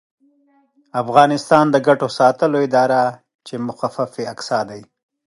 افغانستان د ګټو ساتلو اداره چې مخفف یې اګسا دی